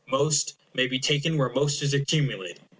Most may be taken where most is accumulated.